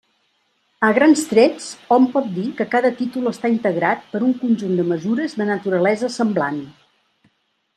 A grans trets, hom pot dir que cada títol està integrat per un conjunt de mesures de naturalesa semblant.